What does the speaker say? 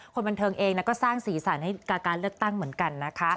คนบันเทิงเองก็สร้างสีสันให้กับการเลือกตั้งเหมือนกันนะคะ